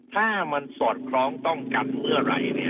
ท่ามันสอดคล้องต้องกันเมื่อไรเนี่ย